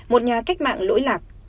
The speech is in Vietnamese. một nhà cách mạng lỗi lạc